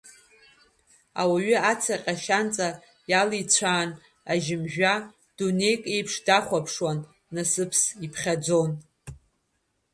Ауаҩы ацаҟьа шьанҵа иалицәаан ажьымжәа, дунеик еиԥш дахәаԥшуан, насыԥс иԥхьаӡон.